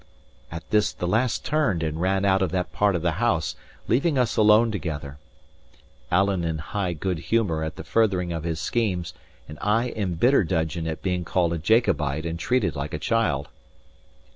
At this the lass turned and ran out of that part of the house, leaving us alone together. Alan in high good humour at the furthering of his schemes, and I in bitter dudgeon at being called a Jacobite and treated like a child.